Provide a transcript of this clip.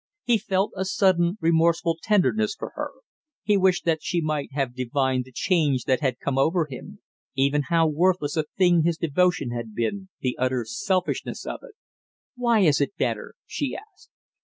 He felt a sudden remorseful tenderness for her; he wished that she might have divined the change that had come over him; even how worthless a thing his devotion had been, the utter selfishness of it. "Why is it better?" she asked.